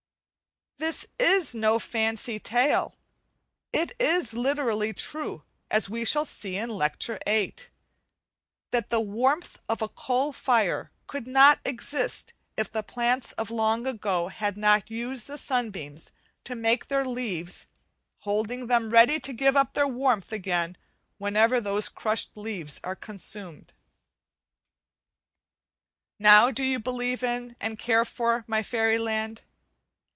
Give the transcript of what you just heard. This is no fancy tale; it is literally true, as we shall see in Lecture VIII, that the warmth of a coal fire could not exist if the plants of long ago had not used the sunbeams to make their leaves, holding them ready to give up their warmth again whenever those crushed leaves are consumed. Now, do you believe in, and care for, my fairy land?